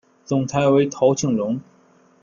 总裁为陶庆荣。